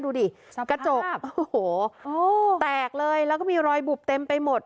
ดูดิกระจกโอ้โหแตกเลยแล้วก็มีรอยบุบเต็มไปหมด